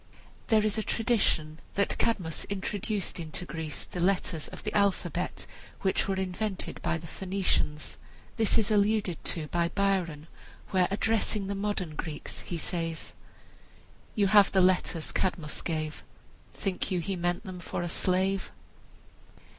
There is a tradition that Cadmus introduced into Greece the letters of the alphabet which were invented by the Phoenicians. This is alluded to by Byron, where, addressing the modern Greeks, he says: "You have the letters Cadmus gave, Think you he meant them for a slave?"